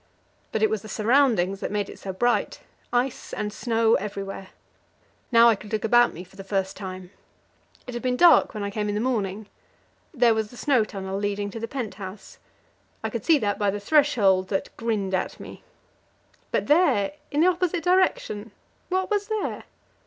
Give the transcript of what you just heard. But it was the surroundings that made it so bright ice and snow everywhere. Now I could look about me for the first time; it had been dark when I came in the morning. There was the snow tunnel leading to the pent house; I could see that by the threshold that grinned at me. But there, in the opposite direction, what was there?